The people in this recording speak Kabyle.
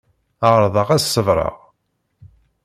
Ԑerḍeɣ ad ṣebreɣ.